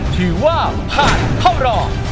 ถือว่าผ่านเข้ารอ